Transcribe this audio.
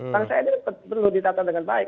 bangsa ini perlu ditata dengan baik